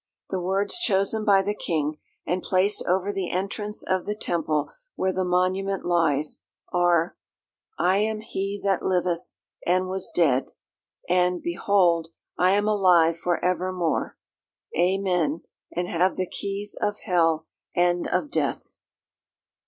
The words chosen by the King, and placed over the entrance of the temple where the monument lies, are: "I am he that liveth, and was dead; and, behold, I am alive for evermore, Amen: and have the keys of hell and of death."